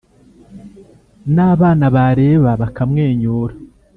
n'abana bareba bakamwenyura.